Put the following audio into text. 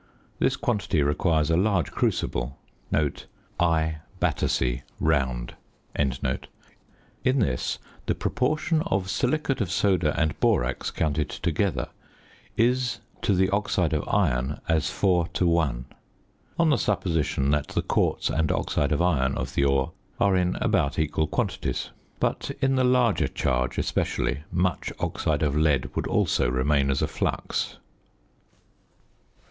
This quantity requires a large crucible (I Battersea, round). In this the proportion of silicate of soda and borax counted together is to the oxide of iron as 4 to 1, on the supposition that the quartz and oxide of iron of the ore are in about equal quantities; but, in the larger charge especially, much oxide of lead would also remain as a flux.